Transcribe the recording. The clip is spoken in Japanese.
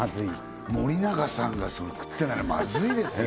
森永さんが食ってないのはまずいですよ